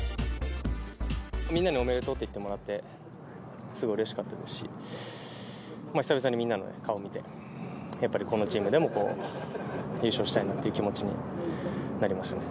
みんなにおめでとうって言ってもらって、すごいうれしかったし、久々にみんなの顔を見て、やっぱりこのチームでも優勝したいなという気持ちになりましたね。